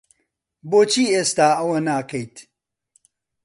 بۆچی ئێستا ئەوە ناکەیت؟